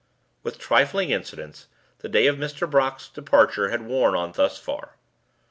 With trifling incidents, the day of Mr. Brock's departure had worn on thus far.